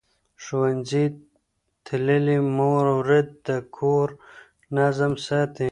ښوونځې تللې مور د کور نظم ساتي.